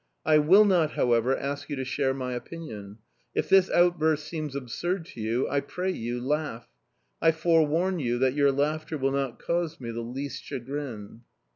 I will not, however, ask you to share my opinion. If this outburst seems absurd to you, I pray you, laugh! I forewarn you that your laughter will not cause me the least chagrin."